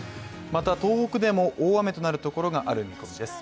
また東北でも大雨となるところがある見込みです。